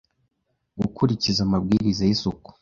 gukurikiza amabwiriza y’isuku